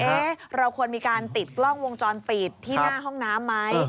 เราควรมีการติดกล้องวงจรปิดที่หน้าห้องน้ำไหม